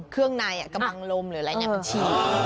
เครื่องในอะกำลังลมหรืออะไรเนี่ยมันชีก